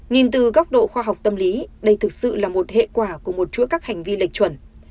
nhìn từ góc độ khoa học tâm lý đây thực sự là một hệ quả của một chuỗi các hành vi lệch chuẩn